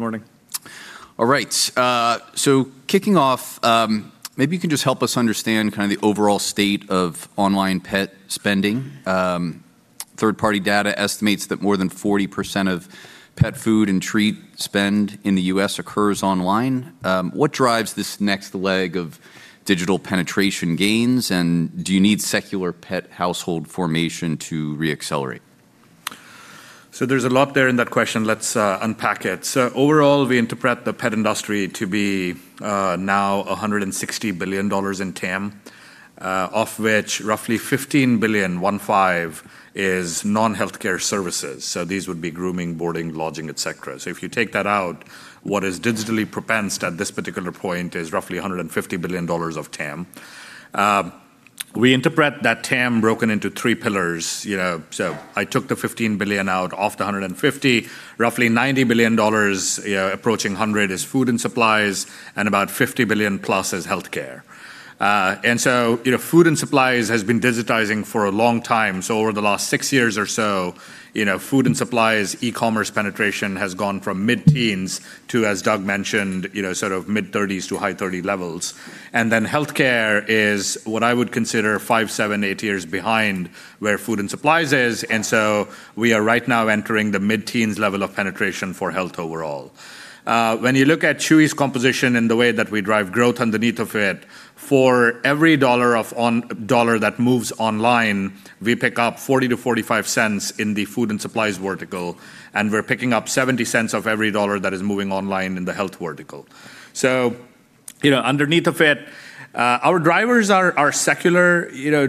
Good morning. All right, kicking off, maybe you can just help us understand kind of the overall state of online pet spending. Third-party data estimates that more than 40% of pet food and treat spend in the U.S. occurs online. What drives this next leg of digital penetration gains, and do you need secular pet household formation to re-accelerate? There's a lot there in that question. Let's unpack it. Overall, we interpret the pet industry to be now $160 billion in TAM, of which roughly $15 billion, 15, is non-healthcare services. These would be grooming, boarding, lodging, et cetera. If you take that out, what is digitally propensed at this particular point is roughly $150 billion of TAM. We interpret that TAM broken into three pillars, you know. I took the $15 billion out off the 150. Roughly $90 billion, you know, approaching 100 is food and supplies, and about $50 billion+ is healthcare. You know, food and supplies has been digitizing for a long time. Over the last six years or so, you know, food and supplies, e-commerce penetration has gone from mid-teens to, as Doug mentioned, you know, sort of mid-30s to high-30 levels. Then healthcare is what I would consider five, seven, eight years behind where food and supplies is. So we are right now entering the mid-teens level of penetration for health overall. When you look at Chewy's composition and the way that we drive growth underneath of it, for every dollar of dollar that moves online, we pick up $0.40-$0.45 in the food and supplies vertical, and we're picking up $0.70 of every dollar that is moving online in the health vertical. Underneath of it, our drivers are secular. You know,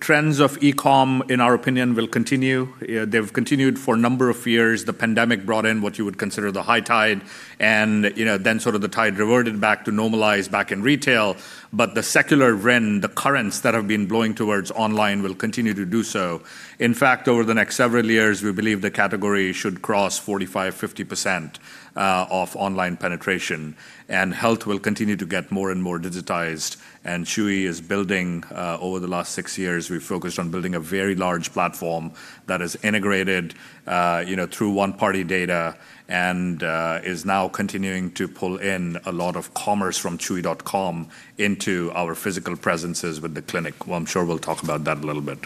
trends of e-commerce, in our opinion, will continue. You know, they've continued for a number of years. The pandemic brought in what you would consider the high tide and, you know, then sort of the tide reverted back to normalize back in retail. The secular trend, the currents that have been blowing towards online will continue to do so. In fact, over the next several years, we believe the category should cross 45%-50% of online penetration, and health will continue to get more and more digitized. Chewy is building, over the last six years, we've focused on building a very large platform that is integrated, you know, through one party data and is now continuing to pull in a lot of commerce from chewy.com into our physical presences with the clinic. Well, I'm sure we'll talk about that a little bit.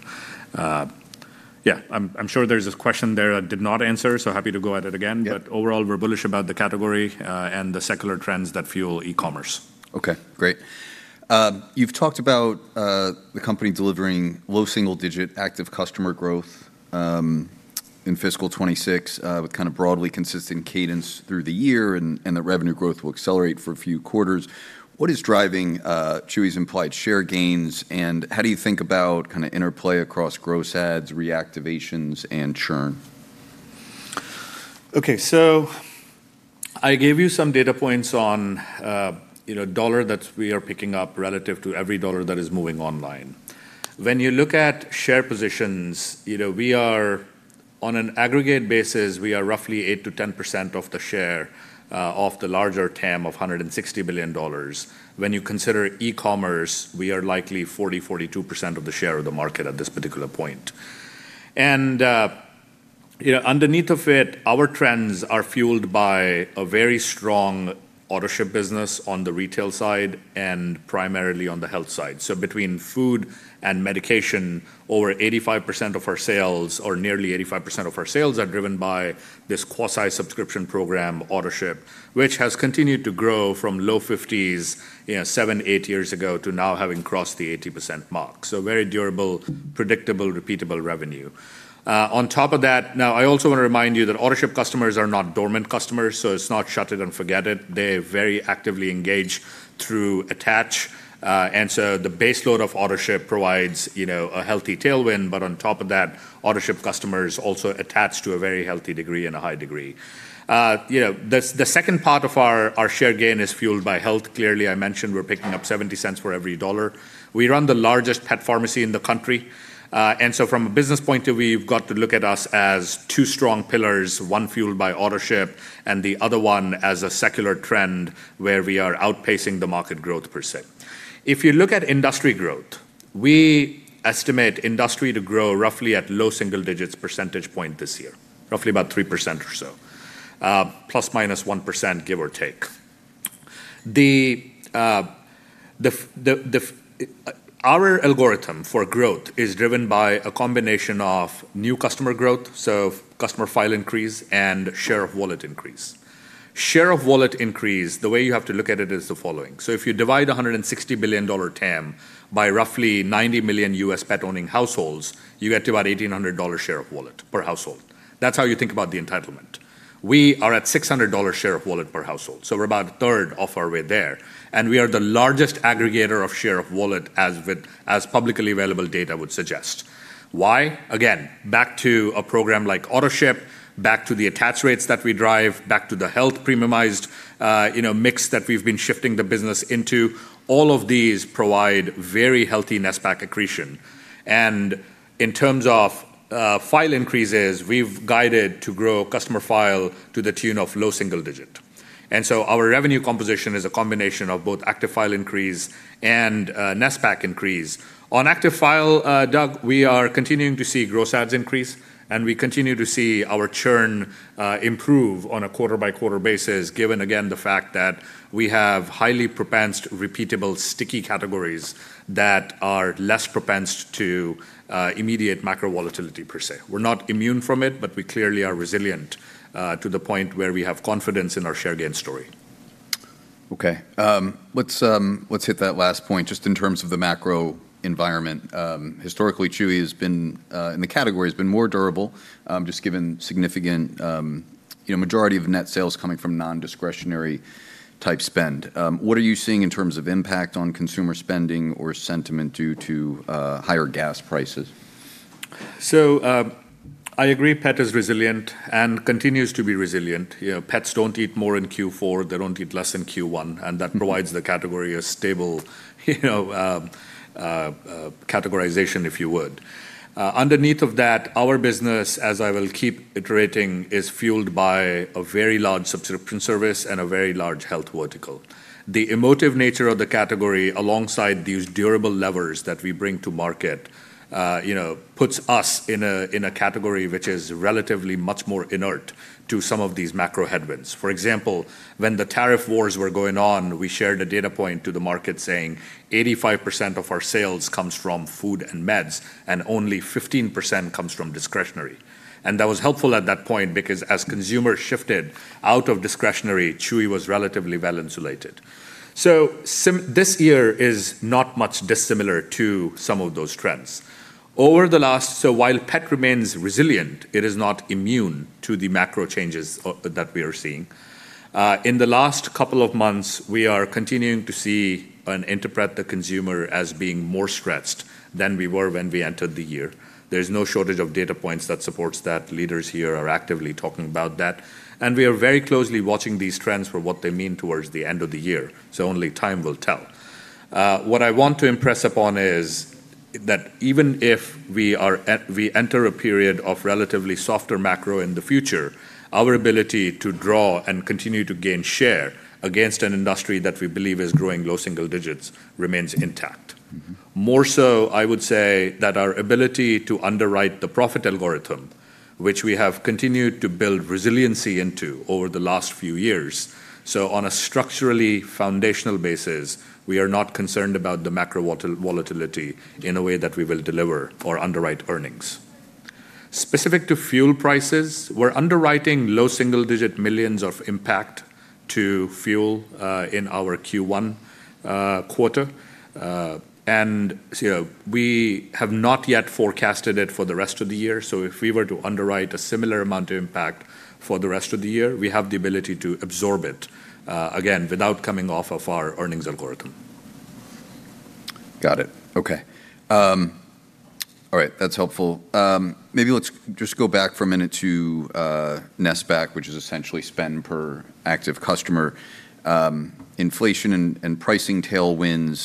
Yeah, I'm sure there's this question there I did not answer, so happy to go at it again. Overall, we're bullish about the category, and the secular trends that fuel e-commerce. Okay, great. You've talked about the company delivering low single-digit active customer growth in fiscal 2026 with kinda broadly consistent cadence through the year and the revenue growth will accelerate for a few quarters. What is driving Chewy's implied share gains, and how do you think about kinda interplay across gross adds, reactivations, and churn? I gave you some data points on, you know, dollar that we are picking up relative to every dollar that is moving online. When you look at share positions, you know, we are, on an aggregate basis, we are roughly 8%-10% of the share of the larger TAM of $160 billion. When you consider e-commerce, we are likely 40%-42% of the share of the market at this particular point. You know, underneath of it, our trends are fueled by a very strong Autoship business on the retail side and primarily on the health side. Between food and medication, over 85% of our sales or nearly 85% of our sales are driven by this quasi-subscription program, Autoship, which has continued to grow from low 50s, you know, seven, eight years ago to now having crossed the 80% mark. Very durable, predictable, repeatable revenue. On top of that, now I also wanna remind you that Autoship customers are not dormant customers, so it's not shut it and forget it. They very actively engage through attach. And so the base load of Autoship provides, you know, a healthy tailwind. On top of that, Autoship customers also attach to a very healthy degree and a high degree. You know, the second part of our share gain is fueled by health. Clearly, I mentioned we're picking up $0.70 for every dollar. We run the largest pet pharmacy in the country. From a business point of view, you've got to look at us as two strong pillars, one fueled by Autoship and the other one as a secular trend where we are outpacing the market growth per se. If you look at industry growth, we estimate industry to grow roughly at low single digits percentage point this year, roughly about 3% or so, ±1% give or take. Our algorithm for growth is driven by a combination of new customer growth, so customer file increase, and share of wallet increase. Share of wallet increase, the way you have to look at it is the following. If you divide $160 billion TAM by roughly 90 million U.S. pet-owning households, you get to about $1,800 share of wallet per household. That's how you think about the entitlement. We are at $600 share of wallet per household, so we're about a third of our way there. We are the largest aggregator of share of wallet, as with, as publicly available data would suggest. Why? Again, back to a program like Autoship, back to the attach rates that we drive, back to the health premiumized, you know, mix that we've been shifting the business into. All of these provide very healthy NSPAC accretion. In terms of file increases, we've guided to grow customer file to the tune of low single digit. Our revenue composition is a combination of both active file increase and NSPAC increase. On active file, Doug, we are continuing to see gross adds increase, and we continue to see our churn improve on a quarter-by-quarter basis, given again the fact that we have highly propensed, repeatable, sticky categories that are less propensed to immediate macro volatility per se. We're not immune from it, but we clearly are resilient to the point where we have confidence in our share gain story. Okay. Let's hit that last point just in terms of the macro environment. Historically, Chewy has been, and the category has been more durable, just given significant, you know, majority of net sales coming from non-discretionary type spend. What are you seeing in terms of impact on consumer spending or sentiment due to higher gas prices? I agree pet is resilient and continues to be resilient. You know, pets don't eat more in Q4, they don't eat less in Q1, and that provides the category a stable, you know, categorization, if you would. Underneath of that, our business, as I will keep iterating, is fueled by a very large subscription service and a very large health vertical. The emotive nature of the category alongside these durable levers that we bring to market, you know, puts us in a category which is relatively much more inert to some of these macro headwinds. For example, when the tariff wars were going on, we shared a data point to the market saying 85% of our sales comes from food and meds, and only 15% comes from discretionary. That was helpful at that point because as consumers shifted out of discretionary, Chewy was relatively well insulated. This year is not much dissimilar to some of those trends. While pet remains resilient, it is not immune to the macro changes that we are seeing. In the last couple of months, we are continuing to see and interpret the consumer as being more stretched than we were when we entered the year. There's no shortage of data points that supports that. Leaders here are actively talking about that. We are very closely watching these trends for what they mean towards the end of the year, so only time will tell. What I want to impress upon is that even if we enter a period of relatively softer macro in the future, our ability to draw and continue to gain share against an industry that we believe is growing low single digits remains intact. More so, I would say that our ability to underwrite the profit algorithm, which we have continued to build resiliency into over the last few years. On a structurally foundational basis, we are not concerned about the macro volatility in a way that we will deliver or underwrite earnings. Specific to fuel prices, we're underwriting low single digit millions of impact to fuel in our Q1 quarter. We have not yet forecasted it for the rest of the year. If we were to underwrite a similar amount of impact for the rest of the year, we have the ability to absorb it again, without coming off of our earnings algorithm. Got it. Okay. All right, that's helpful. Maybe let's just go back for a minute to NSPAC, which is essentially spend per active customer. Inflation and pricing tailwinds,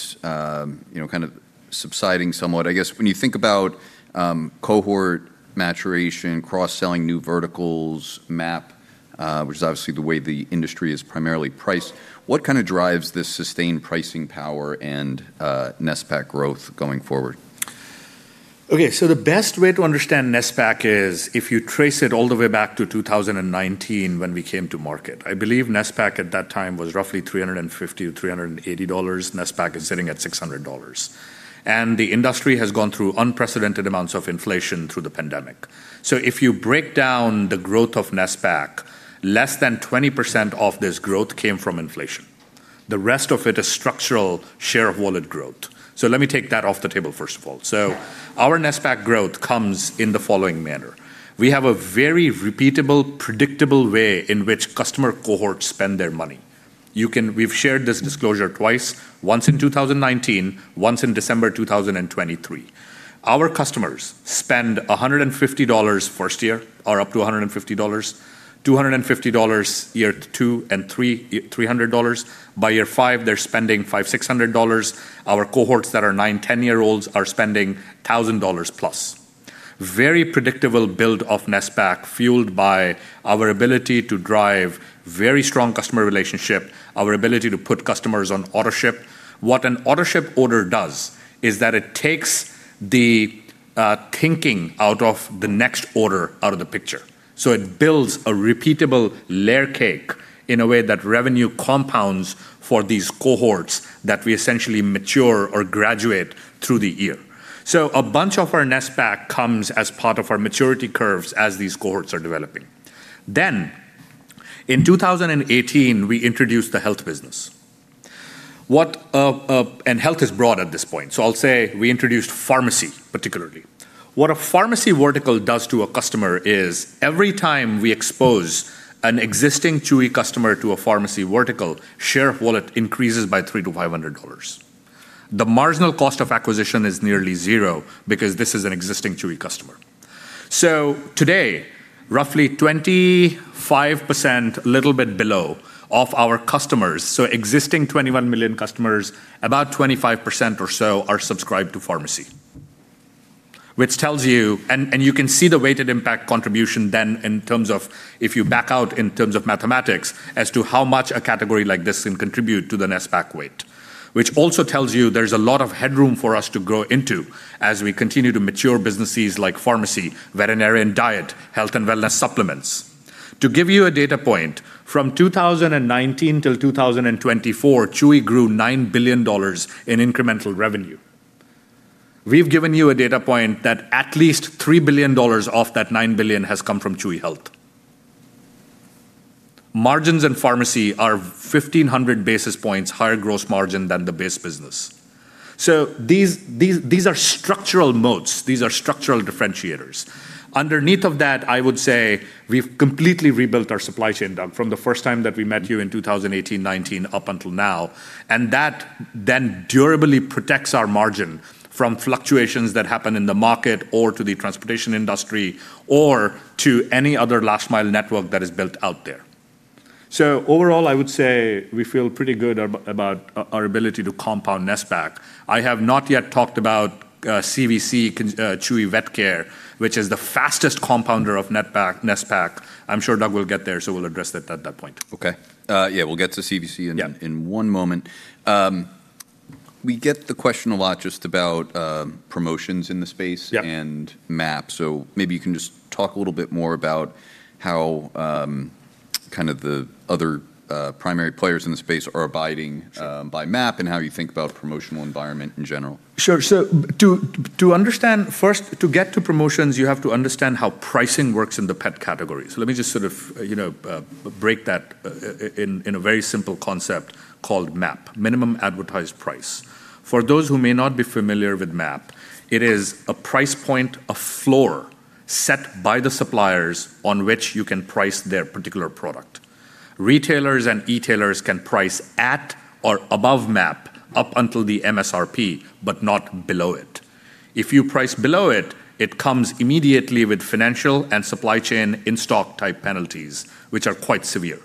you know, kind of subsiding somewhat. I guess when you think about cohort maturation, cross-selling new verticals, MAP, which is obviously the way the industry is primarily priced, what kind of drives this sustained pricing power and NSPAC growth going forward? Okay, the best way to understand NSPAC is if you trace it all the way back to 2019 when we came to market. I believe NSPAC at that time was roughly $350-$380. NSPAC is sitting at $600. The industry has gone through unprecedented amounts of inflation through the pandemic. If you break down the growth of NSPAC, less than 20% of this growth came from inflation. The rest of it is structural share of wallet growth. Let me take that off the table first of all. Our NSPAC growth comes in the following manner. We have a very repeatable, predictable way in which customer cohorts spend their money. We've shared this disclosure twice, once in 2019, once in December 2023. Our customers spend $150 first year, or up to $150, $250 year 2 and 3, $300. By year 5, they're spending $500-$600. Our cohorts that are nine, 10-year-olds are spending $1,000+. Very predictable build of NSPAC fueled by our ability to drive very strong customer relationship, our ability to put customers on Autoship. What an Autoship order does is that it takes the thinking out of the next order out of the picture. It builds a repeatable layer cake in a way that revenue compounds for these cohorts that we essentially mature or graduate through the year. A bunch of our NSPAC comes as part of our maturity curves as these cohorts are developing. In 2018, we introduced the health business. Well, health is broad at this point, so I'll say we introduced pharmacy particularly. What a pharmacy vertical does to a customer is every time we expose an existing Chewy customer to a pharmacy vertical, share wallet increases by $300-$500. The marginal cost of acquisition is nearly zero because this is an existing Chewy customer. Today, roughly 25%, little bit below, of our customers, so existing 21 million customers, about 25% or so are subscribed to pharmacy. Tells you, and you can see the weighted impact contribution then in terms of if you back out in terms of mathematics as to how much a category like this can contribute to the NSPAC weight. Which also tells you there's a lot of headroom for us to grow into as we continue to mature businesses like pharmacy, veterinary diet, health and wellness supplements. To give you a data point, from 2019 till 2024, Chewy grew $9 billion in incremental revenue. We've given you a data point that at least $3 billion of that $9 billion has come from Chewy Health. Margins in pharmacy are 1,500 basis points higher gross margin than the base business. These are structural moats. These are structural differentiators. Underneath of that, I would say we've completely rebuilt our supply chain, Doug, from the first time that we met you in 2018-2019 up until now, and that then durably protects our margin from fluctuations that happen in the market or to the transportation industry or to any other last mile network that is built out there. Overall, I would say we feel pretty good about our ability to compound NSPAC. I have not yet talked about CVC, Chewy Vet Care, which is the fastest compounder of NSPAC. I'm sure Doug will get there, so we'll address that at that point. Yeah, we'll get to CVC. In one moment. We get the question a lot just about, promotions in the space and MAP, so maybe you can just talk a little bit more about how kind of the other primary players in the space are abiding by MAP, and how you think about promotional environment in general. Sure. To understand, first, to get to promotions, you have to understand how pricing works in the pet category. Let me just sort of, you know, break that in a very simple concept called MAP, minimum advertised price. For those who may not be familiar with MAP, it is a price point, a floor set by the suppliers on which you can price their particular product. Retailers and e-tailers can price at or above MAP up until the MSRP, but not below it. If you price below it comes immediately with financial and supply chain in-stock type penalties, which are quite severe.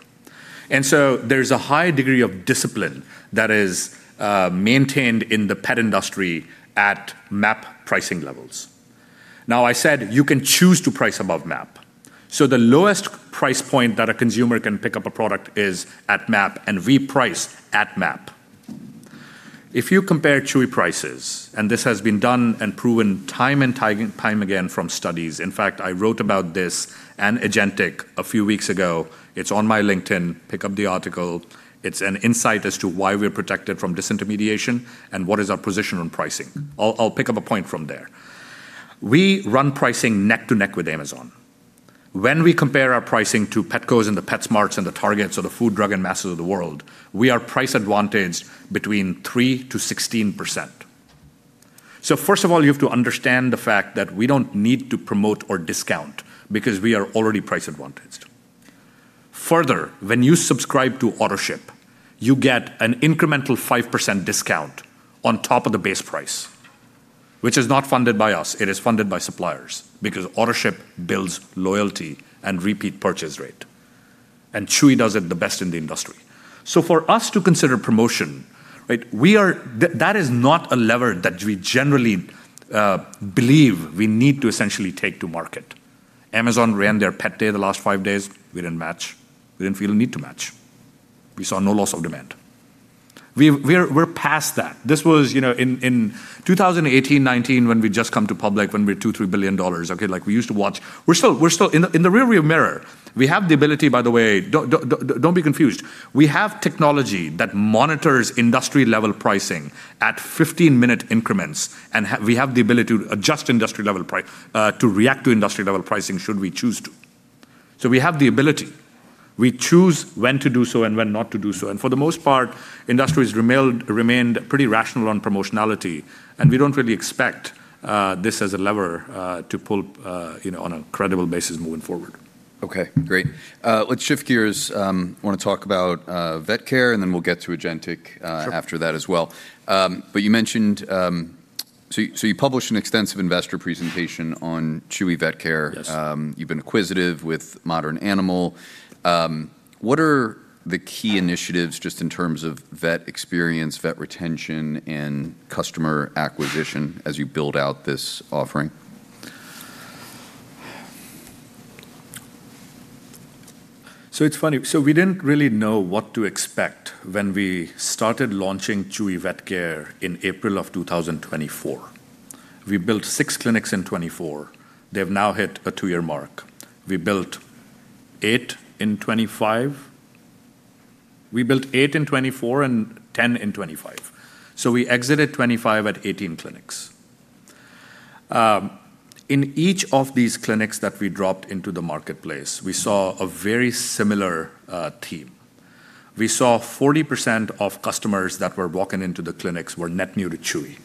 There's a high degree of discipline that is maintained in the pet industry at MAP pricing levels. I said you can choose to price above MAP, the lowest price point that a consumer can pick up a product is at MAP, and we price at MAP. If you compare Chewy prices, and this has been done and proven time and time again from studies, in fact, I wrote about this in an article a few weeks ago. It's on my LinkedIn. Pick up the article. It's an insight as to why we're protected from disintermediation and what is our position on pricing. I'll pick up a point from there. We run pricing neck to neck with Amazon. When we compare our pricing to Petcos and the PetSmarts and the Targets or the Food, Drug, and Mass of the world, we are price advantaged between 3% to 16%. First of all, you have to understand the fact that we don't need to promote or discount because we are already price advantaged. Further, when you subscribe to Autoship, you get an incremental 5% discount on top of the base price, which is not funded by us. It is funded by suppliers because Autoship builds loyalty and repeat purchase rate, and Chewy does it the best in the industry. For us to consider promotion, right, that is not a lever that we generally believe we need to essentially take to market. Amazon ran their Pet Day the last five days. We didn't match. We didn't feel the need to match. We saw no loss of demand. We've, we're past that. This was, you know, in 2018-2019 when we just come to public, when we're $2 billion-$3 billion, okay, like we used to watch. We're still in the rearview mirror, we have the ability, by the way, don't be confused. We have technology that monitors industry-level pricing at 15-minute increments, we have the ability to adjust industry-level pricing, to react to industry-level pricing should we choose to. We have the ability. We choose when to do so and when not to do so, for the most part, industry's remained pretty rational on promotionality, we don't really expect this as a lever to pull, you know, on a credible basis moving forward. Okay, great. Let's shift gears. Wanna talk about, vet care, and then we'll get to agentic after that as well. You mentioned, you published an extensive investor presentation on Chewy Vet Care. Yes. You've been acquisitive with Modern Animal. What are the key initiatives just in terms of vet experience, vet retention, and customer acquisition as you build out this offering? It's funny. We didn't really know what to expect when we started launching Chewy Vet Care in April of 2024. We built 6 clinics in 2024. They've now hit a two-year mark. We built eight in 2025. We built eight in 2024 and 10 in 2025, so we exited 2025 at 18 clinics. In each of these clinics that we dropped into the marketplace, we saw a very similar team. We saw 40% of customers that were walking into the clinics were net new to Chewy.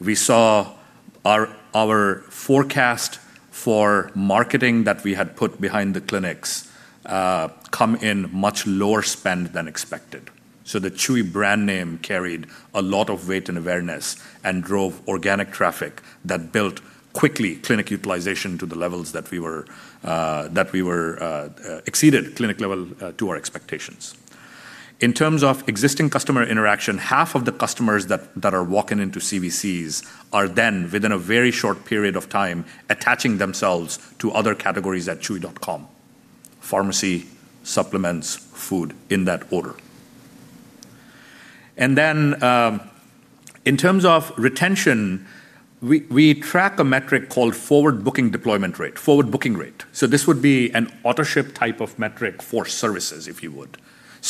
We saw our forecast for marketing that we had put behind the clinics come in much lower spend than expected. The Chewy brand name carried a lot of weight and awareness and drove organic traffic that built quickly clinic utilization to the levels that exceeded clinic level to our expectations. In terms of existing customer interaction, half of the customers that are walking into CVCs are then, within a very short period of time, attaching themselves to other categories at chewy.com. Pharmacy, supplements, food, in that order. In terms of retention, we track a metric called forward booking rate. This would be an Autoship type of metric for services, if you would.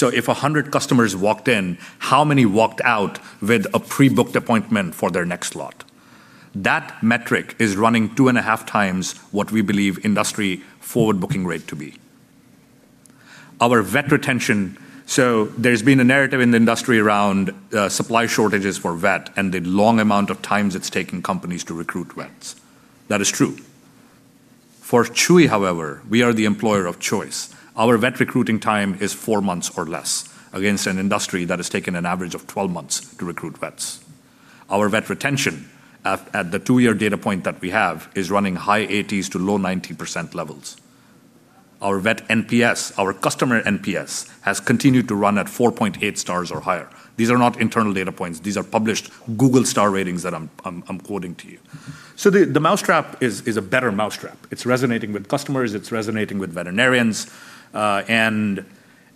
If 100 customers walked in, how many walked out with a pre-booked appointment for their next vet? That metric is running two and a half times what we believe industry forward booking rate to be. Our vet retention. There's been a narrative in the industry around supply shortages for vet and the long amount of times it's taken companies to recruit vets. That is true. For Chewy, however, we are the employer of choice. Our vet recruiting time is four months or less, against an industry that has taken an average of 12 months to recruit vets. Our vet retention at the two-year data point that we have is running high 80s to low 90% levels. Our vet NPS, our customer NPS, has continued to run at 4.8 stars or higher. These are not internal data points. These are published Google star ratings that I'm quoting to you. The mousetrap is a better mousetrap. It's resonating with customers. It's resonating with veterinarians.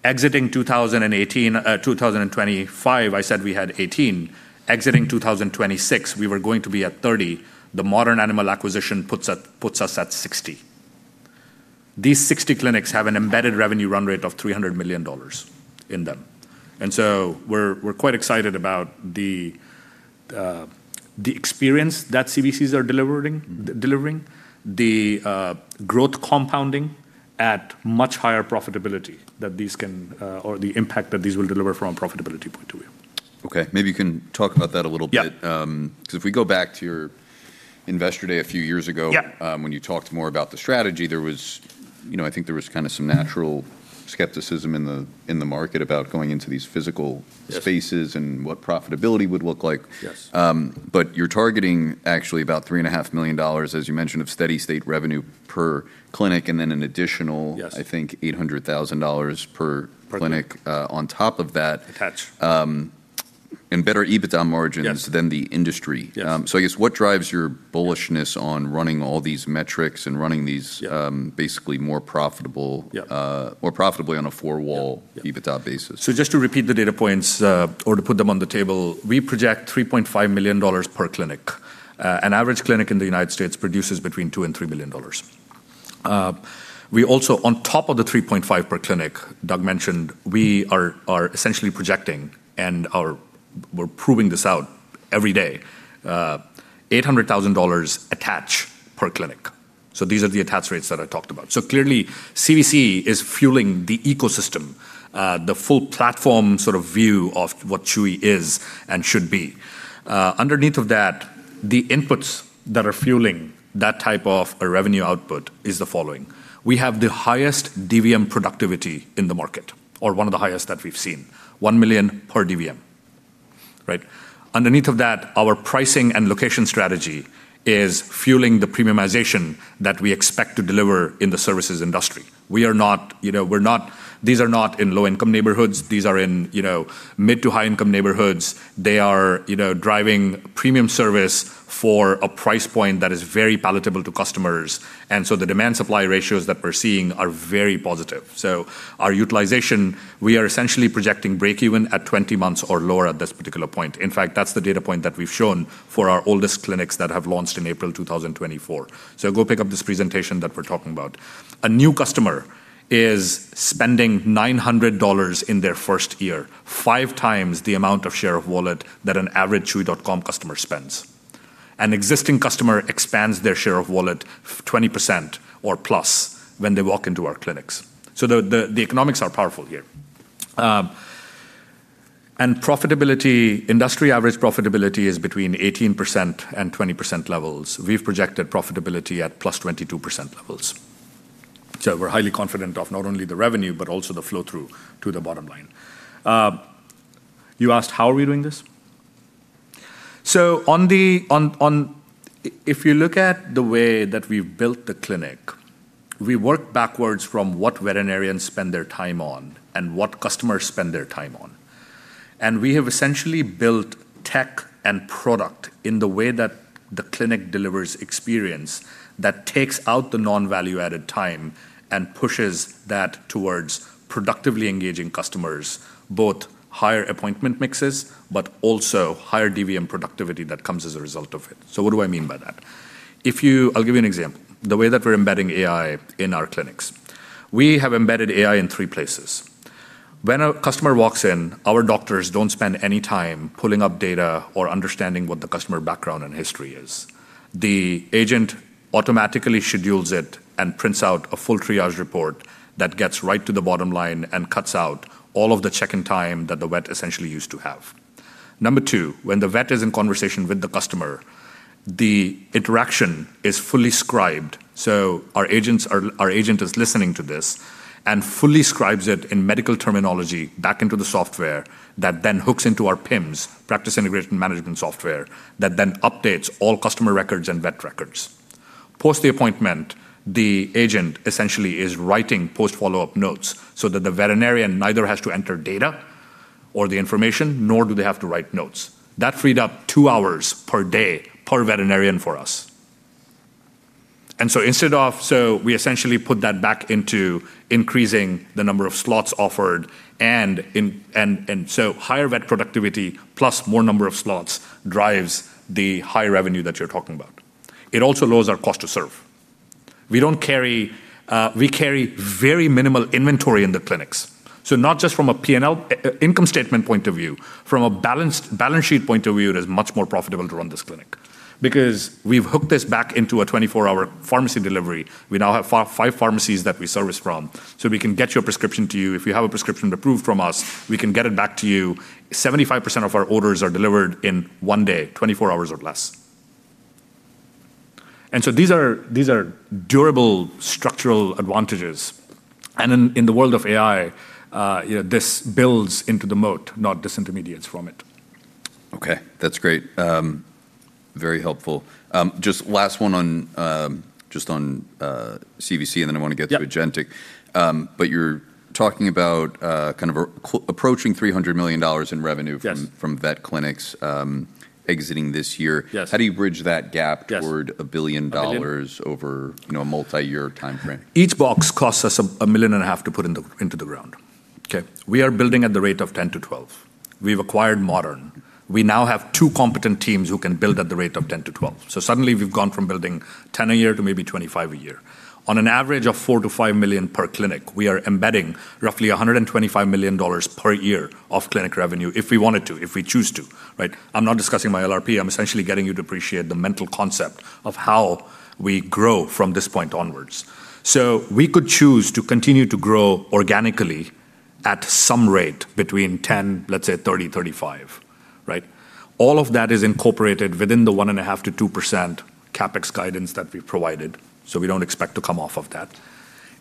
Exiting 2018, 2025, I said we had 18. Exiting 2026, we were going to be at 30. The Modern Animal acquisition puts us at 60. These 60 clinics have an embedded revenue run rate of $300 million in them. We're quite excited about the experience that CVCs are delivering, the growth compounding at much higher profitability that these can or the impact that these will deliver from profitability point of view. Okay. Maybe you can talk about that a little bit. Yeah. If we go back to your investor day a few years ago. Yeah When you talked more about the strategy, there was, you know, I think there was kinda some natural skepticism in the, in the market about going into these physical spaces and what profitability would look like. Yes. You're targeting actually about $3.5 million, as you mentioned, of steady state revenue per clinic and then additional I think $800,000 per clinic on top of that. Attach. Better EBITDA margins than the industry. I guess what drives your bullishness on running all these metrics and running these basically more profitable more profitably on a four-wall EBITDA basis? Just to repeat the data points, or to put them on the table, we project $3.5 million per clinic. An average clinic in the United States produces between $2 million-$3 million. We also, on top of the $3.5 million per clinic Doug mentioned, we are essentially projecting, and we're proving this out every day, $800,000 attach per clinic. These are the attach rates that I talked about. Clearly, CVC is fueling the ecosystem, the full platform sort of view of what Chewy is and should be. Underneath of that, the inputs that are fueling that type of a revenue output is the following. We have the highest DVM productivity in the market, or one of the highest that we've seen, $1 million per DVM, right? Underneath of that, our pricing and location strategy is fueling the premiumization that we expect to deliver in the services industry. We are not, you know, these are not in low-income neighborhoods. These are in, you know, mid to high-income neighborhoods. They are, you know, driving premium service for a price point that is very palatable to customers. So the demand supply ratios that we're seeing are very positive. So our utilization, we are essentially projecting break even at 20 months or lower at this particular point. In fact, that's the data point that we've shown for our oldest clinics that have launched in April 2024. So go pick up this presentation that we're talking about. A new customer is spending $900 in their first year, 5x the amount of share of wallet that an average chewy.com customer spends. An existing customer expands their share of wallet 20% or + when they walk into our clinics. The economics are powerful here. And profitability, industry average profitability is between 18% and 20% levels. We've projected profitability at +22% levels. We're highly confident of not only the revenue, but also the flow-through to the bottom line. You asked how are we doing this? If you look at the way that we've built the clinic, we work backwards from what veterinarians spend their time on and what customers spend their time on. We have essentially built tech and product in the way that the clinic delivers experience that takes out the non-value-added time and pushes that towards productively engaging customers, both higher appointment mixes, but also higher DVM productivity that comes as a result of it. What do I mean by that? I'll give you an example. The way that we're embedding AI in our clinics. We have embedded AI in three places. When a customer walks in, our doctors don't spend any time pulling up data or understanding what the customer background and history is. The agent automatically schedules it and prints out a full triage report that gets right to the bottom line and cuts out all of the check-in time that the vet essentially used to have. Number 2, when the vet is in conversation with the customer, the interaction is fully scribed. Our agent is listening to this and fully scribes it in medical terminology back into the software that then hooks into our PIMS, practice information management software, that then updates all customer records and vet records. Post the appointment, the agent essentially is writing post-follow-up notes so that the veterinarian neither has to enter data or the information, nor do they have to write notes. That freed up two hours per day per veterinarian for us. We essentially put that back into increasing the number of slots offered and so higher vet productivity plus more number of slots drives the high revenue that you're talking about. It also lowers our cost to serve. We don't carry, we carry very minimal inventory in the clinics. Not just from a P&L, income statement point of view, from a balance sheet point of view, it is much more profitable to run this clinic because we've hooked this back into a 24-hour pharmacy delivery. We now have five pharmacies that we service from, so we can get your prescription to you. If you have a prescription approved from us, we can get it back to you. 75% of our orders are delivered in one day, 24 hours or less. These are durable structural advantages. In the world of AI, you know, this builds into the moat, not disintermediates from it. Okay, that's great. Very helpful. Just last one on, just on, CVC to agentic. you're talking about, kind of a approaching $300 million in revenue from vet clinics, exiting this year. How do you bridge that gap toward $1 billion over, you know, a multi-year timeframe? Each box costs us a million and a half to put into the ground. Okay. We are building at the rate of 10-12. We've acquired Modern. We now have two competent teams who can build at the rate of 10-12. Suddenly we've gone from building 10 a year to maybe 25 a year. On an average of $4 million-$5 million per clinic, we are embedding roughly $125 million per year of clinic revenue if we wanted to, if we choose to, right? I'm not discussing my LRP. I am essentially getting you to appreciate the mental concept of how we grow from this point onwards. We could choose to continue to grow organically at some rate between 10, let's say 30-35, right? All of that is incorporated within the 1.5%-2% CapEx guidance that we've provided, so we don't expect to come off of that.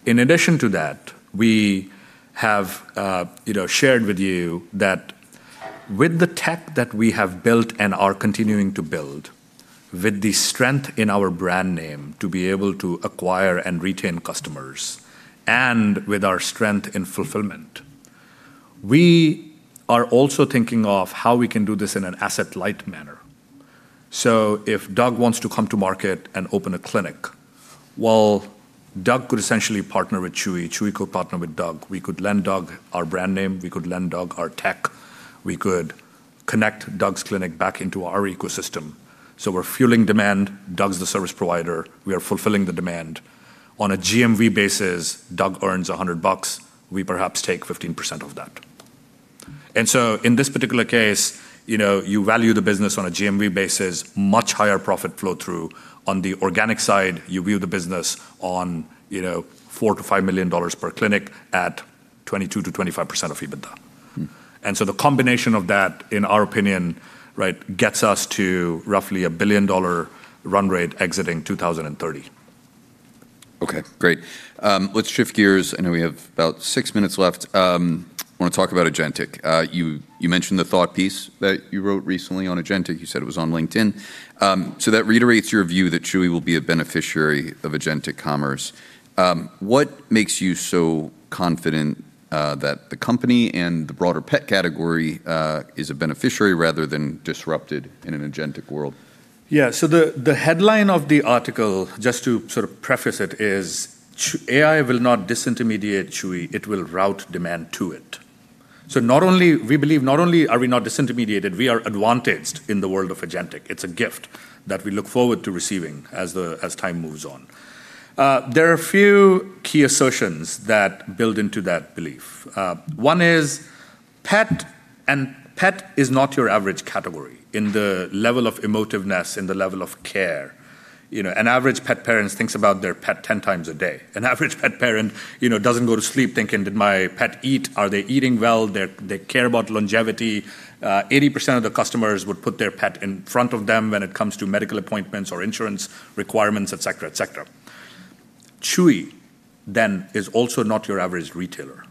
In addition to that, we have, you know, shared with you that with the tech that we have built and are continuing to build, with the strength in our brand name to be able to acquire and retain customers, and with our strength in fulfillment, we are also thinking of how we can do this in an asset-light manner. If Doug wants to come to market and open a clinic, well, Doug could essentially partner with Chewy. Chewy could partner with Doug. We could lend Doug our brand name. We could lend Doug our tech. We could connect Doug's clinic back into our ecosystem. We're fueling demand. Doug's the service provider. We are fulfilling the demand. On a GMV basis, Doug earns $100. We perhaps take 15% of that. In this particular case, you know, you value the business on a GMV basis, much higher profit flow through. On the organic side, you view the business on, you know, $4 million-$5 million per clinic at 22%-25% of EBITDA. The combination of that, in our opinion, right, gets us to roughly $1 billion run rate exiting 2030. Okay, great. Let's shift gears. I know we have about six minutes left. I wanna talk about agentic. You, you mentioned the thought piece that you wrote recently on agentic. You said it was on LinkedIn. That reiterates your view that Chewy will be a beneficiary of agentic commerce. What makes you so confident that the company and the broader pet category is a beneficiary rather than disrupted in an agentic world? The headline of the article, just to sort of preface it, is AI will not disintermediate Chewy, it will route demand to it. We believe not only are we not disintermediated, we are advantaged in the world of agentic. It's a gift that we look forward to receiving as time moves on. There are a few key assertions that build into that belief. One is pet, and pet is not your average category in the level of emotiveness, in the level of care. You know, an average pet parent thinks about their pet 10x a day. An average pet parent, you know, doesn't go to sleep thinking, "Did my pet eat? Are they eating well?" They care about longevity. 80% of the customers would put their pet in front of them when it comes to medical appointments or insurance requirements, et cetera, et cetera. Chewy is also not your average retailer,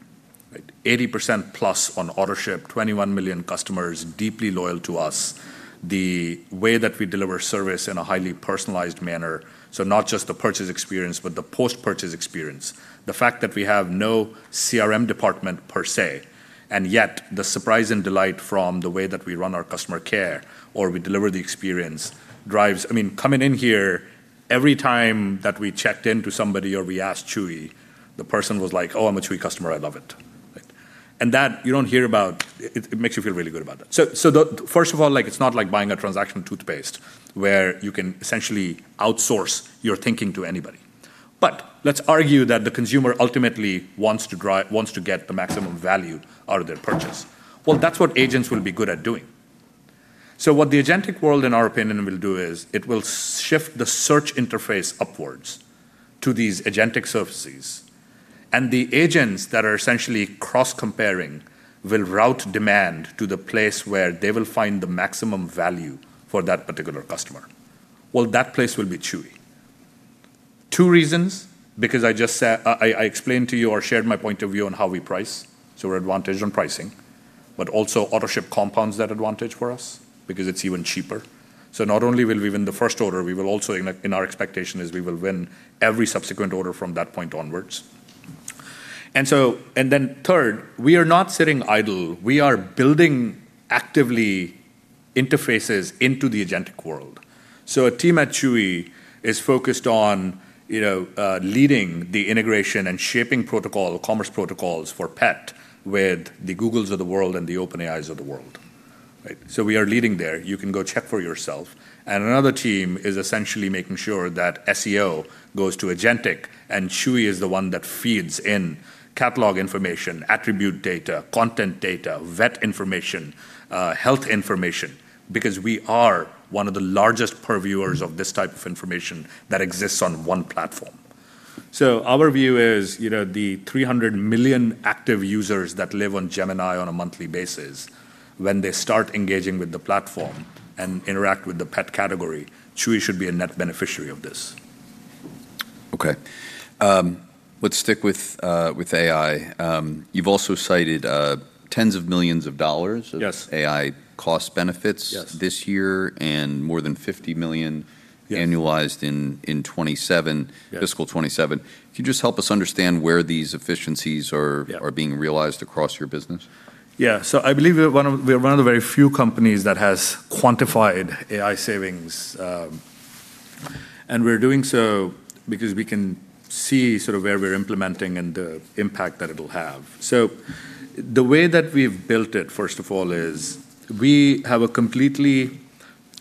right? 80% plus on Autoship, 21 million customers deeply loyal to us. The way that we deliver service in a highly personalized manner, so not just the purchase experience, but the post-purchase experience. The fact that we have no CRM department per se, and yet the surprise and delight from the way that we run our customer care or we deliver the experience drives I mean, coming in here, every time that we checked into somebody or we asked Chewy, the person was like, "Oh, I'm a Chewy customer, I love it." Right? That you don't hear about, it makes you feel really good about that. First of all, like, it's not like buying a transaction toothpaste where you can essentially outsource your thinking to anybody. Let's argue that the consumer ultimately wants to get the maximum value out of their purchase. That's what agents will be good at doing. What the agentic world, in our opinion, will do is it will shift the search interface upwards to these agentic services, and the agents that are essentially cross-comparing will route demand to the place where they will find the maximum value for that particular customer. That place will be Chewy. Two reasons, because I just explained to you or shared my point of view on how we price, so we're advantaged on pricing. Also Autoship compounds that advantage for us because it's even cheaper. Not only will we win the first order, we will also in our expectation is we will win every subsequent order from that point onwards. Third, we are not sitting idle. We are building actively interfaces into the agentic world. A team at Chewy is focused on, you know, leading the integration and shaping protocol, commerce protocols for pet with the Googles of the world and the OpenAIs of the world. We are leading there. You can go check for yourself. Another team is essentially making sure that SEO goes to agentic, and Chewy is the one that feeds in catalog information, attribute data, content data, vet information, health information, because we are one of the largest purveyors of this type of information that exists on one platform. Our view is, you know, the 300 million active users that live on Gemini on a monthly basis, when they start engaging with the platform and interact with the pet category, Chewy should be a net beneficiary of this. Okay. Let's stick with AI. You've also cited tens of millions of dollars of AI cost benefits this year and more than $50 million annualized in 2027. Fiscal 2027. Can you just help us understand where these efficiencies are being realized across your business? Yeah. I believe we are one of the very few companies that has quantified AI savings. We're doing so because we can see sort of where we're implementing and the impact that it'll have. The way that we've built it, first of all, is we have a completely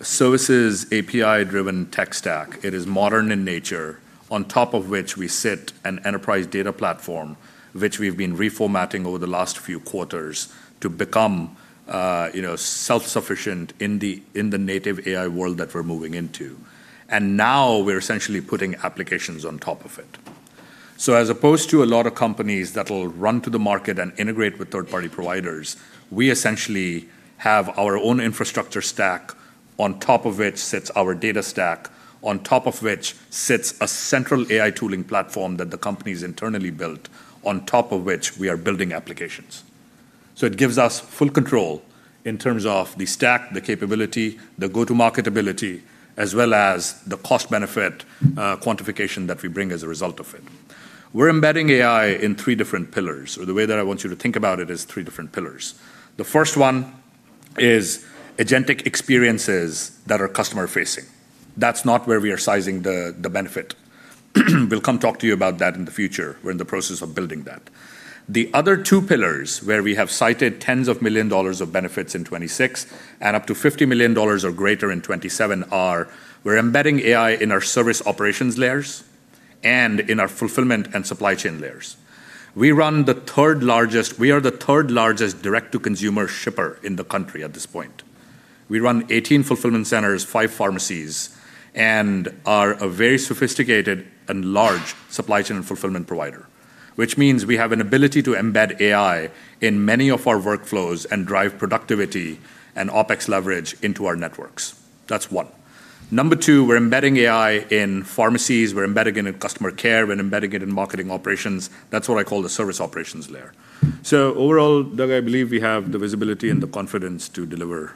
services API-driven tech stack. It is modern in nature, on top of which we sit an enterprise data platform, which we've been reformatting over the last few quarters to become, you know, self-sufficient in the, in the native AI world that we're moving into. Now we're essentially putting applications on top of it. As opposed to a lot of companies that will run to the market and integrate with third-party providers, we essentially have our own infrastructure stack, on top of which sits our data stack, on top of which sits a central AI tooling platform that the company's internally built, on top of which we are building applications. It gives us full control in terms of the stack, the capability, the go-to market ability, as well as the cost-benefit quantification that we bring as a result of it. We're embedding AI in three different pillars. The way that I want you to think about it is three different pillars. The 1st one is agentic experiences that are customer-facing. That's not where we are sizing the benefit. We'll come talk to you about that in the future. We're in the process of building that. The other two pillars where we have cited tens of million dollars of benefits in 2026 and up to $50 million or greater in 2027 are, we're embedding AI in our service operations layers and in our fulfillment and supply chain layers. We are the third largest direct-to-consumer shipper in the country at this point. We run 18 fulfillment centers, five pharmacies, and are a very sophisticated and large supply chain and fulfillment provider, which means we have an ability to embed AI in many of our workflows and drive productivity and OpEx leverage into our networks. That's one. Number 2, we're embedding AI in pharmacies, we're embedding it in customer care, we're embedding it in marketing operations. That's what I call the service operations layer. Overall, Doug, I believe we have the visibility and the confidence to deliver,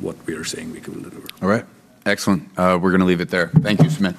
what we are saying we can deliver. All right. Excellent. We're gonna leave it there. Thank you, Sumit.